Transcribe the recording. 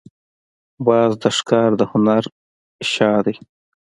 باز د ښکار د هنر شاه دی